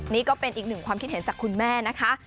นี่ก็เป็นอีกหนึ่งความคิดเห็นจากคุณแม่นะคะ